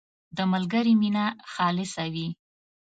• د ملګري مینه خالصه وي.